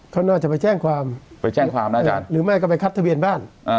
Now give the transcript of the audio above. เขาน่าจะไปแจ้งความไปแจ้งความนะอาจารย์หรือไม่ก็ไปคัดทะเบียนบ้าน